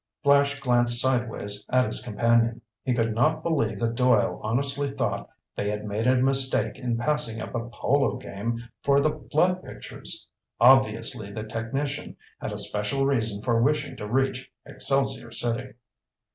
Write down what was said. Flash glanced sideways at his companion. He could not believe that Doyle honestly thought they had made a mistake in passing up a polo game for the flood pictures. Obviously, the technician had a special reason for wishing to reach Excelsior City.